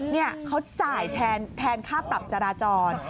นี่เขาจ่ายแทนค่าปรับจราจร